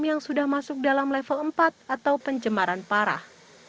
yang sudah masuk dalam level empat atau pencemaran parah